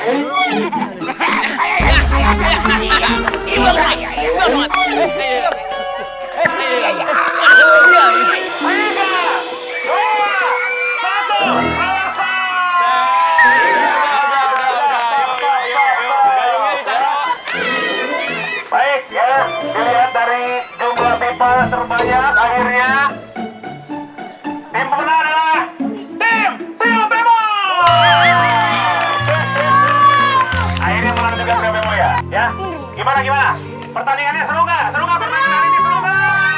gimana gimana pertandingannya seru